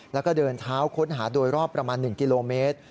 แล้วก็เดินเท้าค้นหาโดยรอบประมาณ๑กิโลเมตร